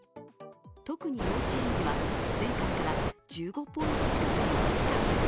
特に幼稚園児は前回から１５ポイント近くも悪化。